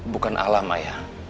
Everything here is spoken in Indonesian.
bukan alham ayah